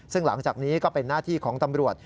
ซึ่งหลังจากนี้ก็เป็นหน้าที่ของตำรวจ